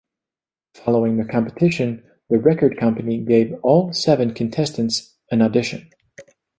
Following the competition, the record company gave all seven contestants an audition.